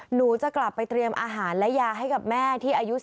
หนูจะกลับไปเตรียมอาหารและยาให้กับแม่ที่อายุ